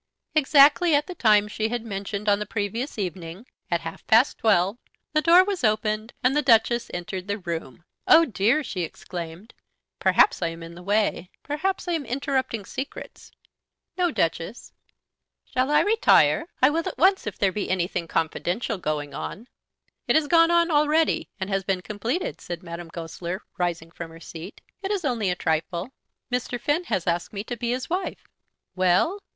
Exactly at the time she had mentioned on the previous evening, at half past twelve, the door was opened, and the Duchess entered the room. "Oh dear," she exclaimed, "perhaps I am in the way; perhaps I am interrupting secrets." "No, Duchess." "Shall I retire? I will at once if there be anything confidential going on." "It has gone on already, and been completed," said Madame Goesler rising from her seat. "It is only a trifle. Mr. Finn has asked me to be his wife." "Well?"